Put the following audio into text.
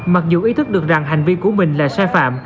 mặc dù ý thức được rằng hành vi của mình là sai phạm